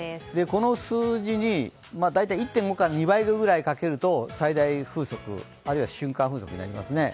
この数字に大体１．５倍から２倍くらいかけると最大風速、あるいは瞬間風速になりますね。